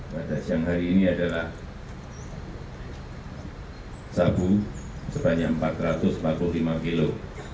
pada siang hari ini adalah sabu sebanyak empat ratus empat puluh lima kilo